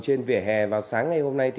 trên vỉa hè vào sáng ngày hôm nay